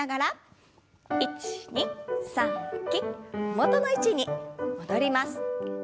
元の位置に戻ります。